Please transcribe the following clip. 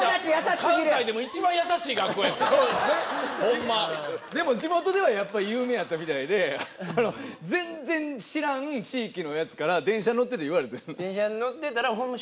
関西でも一番優しい学校やてホンマでも地元ではやっぱ有名やったみたいであの全然知らん地域のやつから電車乗ってて言われてんな電車に乗ってたらホンマ